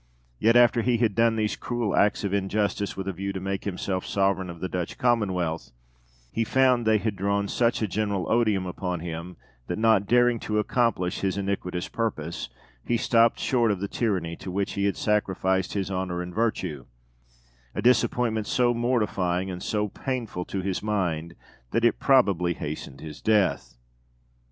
Yet, after he had done these cruel acts of injustice with a view to make himself sovereign of the Dutch Commonwealth, he found they had drawn such a general odium upon him that, not daring to accomplish his iniquitous purpose, he stopped short of the tyranny to which he had sacrificed his honour and virtue; a disappointment so mortifying and so painful to his mind that it probably hastened his death.